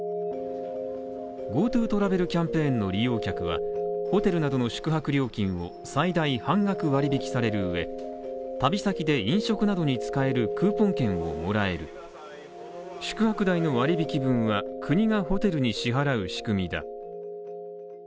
ＧｏＴｏトラベルキャンペーンの利用客はホテルなどの宿泊料金を最大半額割引される旅先で飲食などに使えるクーポン券をもらえる、宿泊代の割引分は国がホテルに支払う仕組みだ